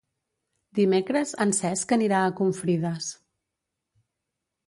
Dimecres en Cesc anirà a Confrides.